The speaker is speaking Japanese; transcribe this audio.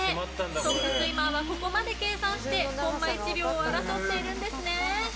トップスイマーはここまで計算してコンマ１秒を争っているんですね。